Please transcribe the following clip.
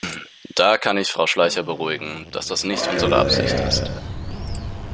Da kann ich Frau Schleicher beruhigen, dass das nicht unsere Absicht ist.